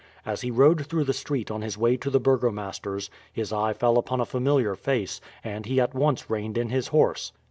As he rode through the street on his way to the burgomaster's his eye fell upon a familiar face, and he at once reined in his horse.